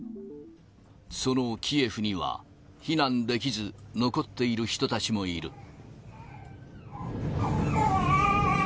そのキエフには、避難できず、残っている人たちもいる。